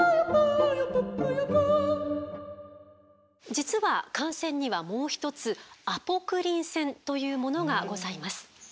実は汗腺にはもう一つアポクリン腺というものがございます。